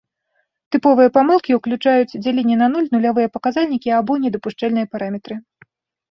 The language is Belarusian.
Тыповыя памылкі ўключаюць дзяленне на нуль, нулявыя паказальнікі, або недапушчальныя параметры.